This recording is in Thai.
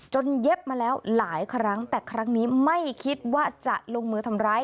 เย็บมาแล้วหลายครั้งแต่ครั้งนี้ไม่คิดว่าจะลงมือทำร้าย